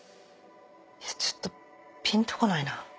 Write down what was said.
ちょっとピンとこないな。